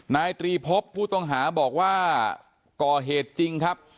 นายตรีพบผู้ต้องหาบอกว่าก่อเหตุจริงครับ